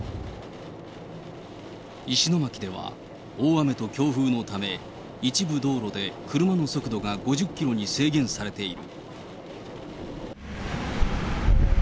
石巻では、大雨と強風のため、一部道路で車の速度が５０キロに制限されている。